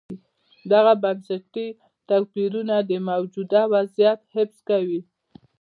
دغه بنسټي توپیرونه د موجوده وضعیت حفظ کوي.